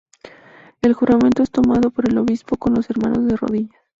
El juramento es tomado por el Obispo, con los hermanos de rodillas.